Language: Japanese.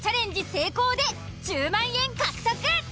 成功で１０万円獲得。